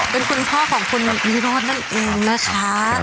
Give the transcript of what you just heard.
เป็นคุณพ่อของคุณวิโรธนั่นเองนะคะ